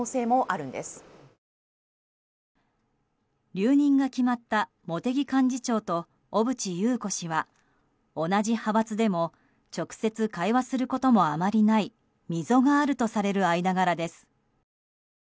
留任が決まった茂木幹事長と小渕優子氏は同じ派閥でも直接会話することもあまりない溝があるとされる間柄です。